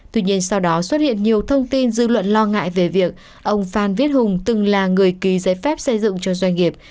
tuy nhiên sau đó xuất hiện nhiều thông tin dư luận lo ngại về việc ông phan viết hùng từng là người ký giấy phép xây dựng cho doanh nghiệp